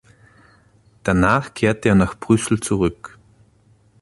Danach kehrte er nach Brüssel zurück.